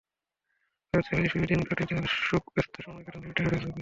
ছোট্ট ঘরের চালায় শুয়ে দিন কাটে তার সুখেব্যস্ত সময় কাটান তিনি টুইটারে-ফেসবুকে।